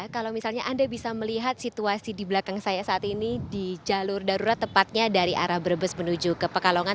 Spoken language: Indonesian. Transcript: kalau misalnya anda bisa melihat situasi di belakang saya saat ini di jalur darurat tepatnya dari arah brebes menuju ke pekalongan